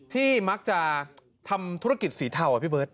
ที่มักจะทำธุรกิจสีเทาพี่เบิร์ต